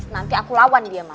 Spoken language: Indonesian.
nanti aku lawan dia mas